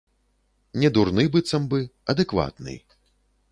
Недурны, быццам бы, адэкватны.